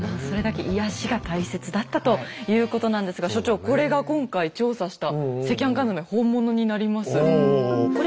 それだけ癒やしが大切だったということなんですが所長これが今回調査した赤飯缶詰本物になります。